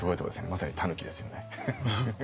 まさにたぬきですよね。